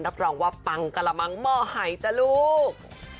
รับรองว่าปังกะละมังหม้อหายจ้ะลูก